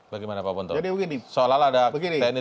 bagaimana pak ponton soalnya ada tni